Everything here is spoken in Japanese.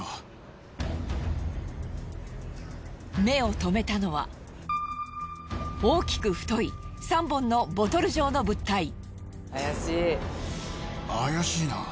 目をとめたのは大きく太い３本のボトル状の物体。